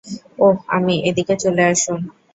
ওহ, আমি —- এদিকে চলে আসুন।